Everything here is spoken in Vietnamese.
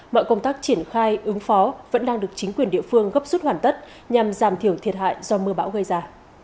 mọi công tác triển khai ứng phó vẫn đang được chính quyền địa phương gấp xuất hoàn tất nhằm giảm thiểu thiệt hại do mưa bão gây ra